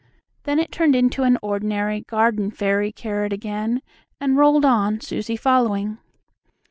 Then it turned into an ordinary, garden, fairy carrot again, and rolled on, Susie following.